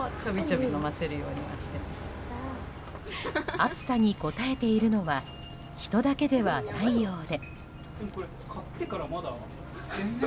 暑さにこたえているのは人だけではないようで。